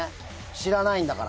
知らないんだから。